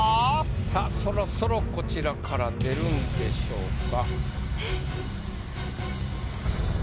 さぁそろそろこちらから出るんでしょうか？